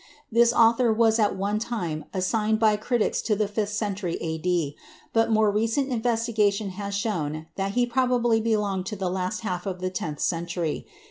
This author was at one time assigned by critics to the fifth century A.D., but more recent investigation has shown that he probably belonged to the last half of the tenth century.